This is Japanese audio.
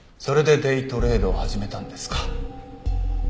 それでデイトレードを始めたんですか。